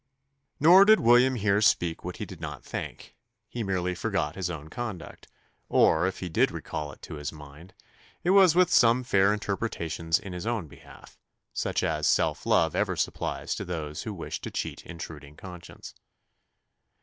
Nor did William here speak what he did not think he merely forgot his own conduct; or if he did recall it to his mind, it was with some fair interpretations in his own behalf; such as self love ever supplies to those who wish to cheat intruding conscience.